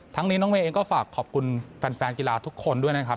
นี้น้องเวย์เองก็ฝากขอบคุณแฟนกีฬาทุกคนด้วยนะครับ